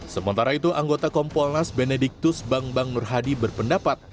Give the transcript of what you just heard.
sementara itu anggota kompolnas benediktus bangbang nurhadi berpendapat